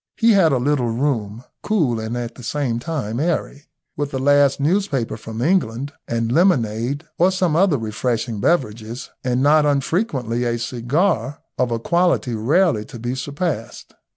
He had a little room, cool and at the same time airy, with the last newspaper from England, and lemonade, or some other refreshing beverages, and not unfrequently a cigar of a quality rarely to be surpassed.